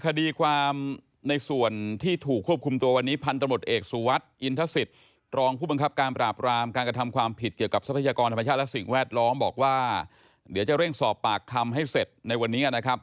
คดีความในส่วนที่ถูกควบคุมตัววันนี้พันธมตเอกสุวัสดิอินทศิษย์รองผู้บังคับการปราบรามการกระทำความผิดเกี่ยวกับทรัพยากรธรรมชาติและสิ่งแวดล้อมบอกว่าเดี๋ยวจะเร่งสอบปากคำให้เสร็จในวันนี้นะครับ